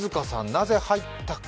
なぜ入ったか。